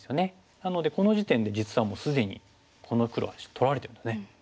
なのでこの時点で実はもう既にこの黒は取られてるんですね。